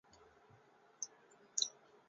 是日本的日本电视动画的作品。